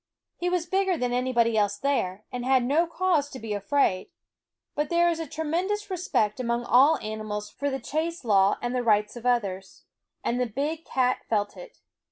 He was bigger than / aQQf/es ffie anybody else there, and had no cause to be afraid; but there is a tremendous respect among all animals for the chase law and the rights of others; and the big cat felt it.